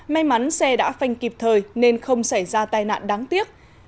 may mắn xe đã phanh kịp thời nên không xảy ra tai nạn đáng tiếc